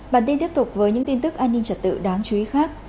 bản tin tiếp tục với những tin tức an ninh trật tự đáng chú ý khác